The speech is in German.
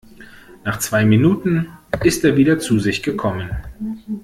Nach zwei Minuten ist er wieder zu sich gekommen.